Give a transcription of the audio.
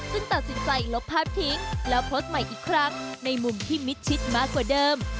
ตัดสินใจลบภาพทิ้งแล้วโพสต์ใหม่อีกครั้งในมุมที่มิดชิดมากกว่าเดิม